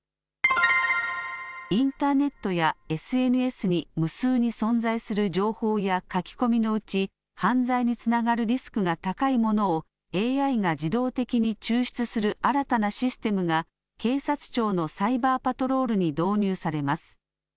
インターネットやＳＮＳに無数に存在する情報や書き込みのうち犯罪につながるリスクが高いものをＡＩが自動的に抽出する新たなシステムが警察庁のサイバーパトロールに導入されます。